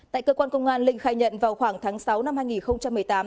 tại cơ quan công an linh khai nhận vào khoảng tháng sáu năm hai nghìn một mươi tám